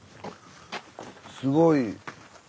すごい。